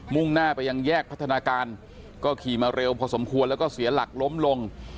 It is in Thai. ่งหน้าไปยังแยกพัฒนาการก็ขี่มาเร็วพอสมควรแล้วก็เสียหลักล้มลง